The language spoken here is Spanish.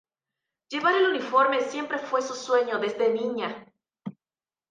Llevar el uniforme siempre fue su sueño desde niña.